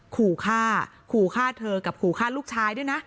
ขู่ฆ่าขู่ฆ่าเธอกับขู่ฆ่าลูกชายด้วยนะ